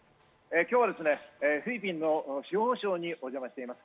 今日はフィリピンの司法省にお邪魔しています。